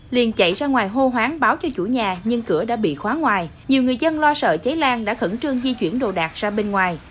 liền chạy ra ngoài hô hoáng báo cho chủ nhà nhưng cửa đã bị khóa ngoài nhiều người dân lo sợ cháy lan đã khẩn trương di chuyển đồ đạc ra bên ngoài